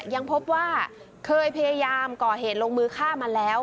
ยังพบว่าเคยพยายามก่อเหตุลงมือฆ่ามาแล้ว